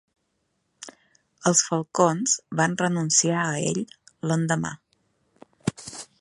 Els Falcons van renunciar a ell l'endemà.